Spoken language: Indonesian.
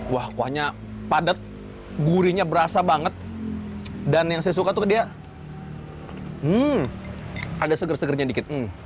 wah kuahnya padat gurihnya berasa banget dan yang saya suka tuh dia hmm ada seger segernya dikit